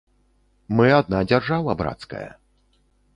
Мы адна дзяржава брацкая.